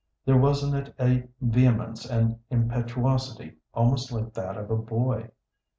There was in it a vehemence and impetuosity almost like that of a boy.